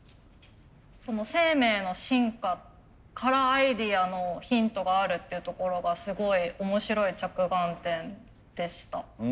生命の進化からアイデアのヒントがあるっていうところがすごい面白い着眼点でした。